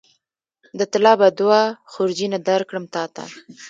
د طلا به دوه خورجینه درکړم تاته